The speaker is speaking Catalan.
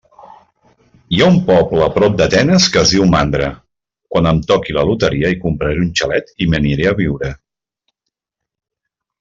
Hi ha un poble prop d'Atenes que es diu Mandra. Quan em toqui la loteria hi compraré un xalet i me n'hi aniré a viure.